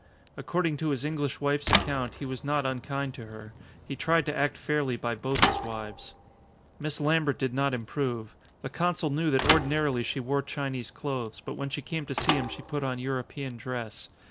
According to his English wife's account he was not unkind to her. He tried to act fairly by both his wives. Miss Lambert did 119 ON A CHINESE SCREEN not improve. The consul knew that ordinarily she wore Chinese clothes, but when she came to see him she put on European dress.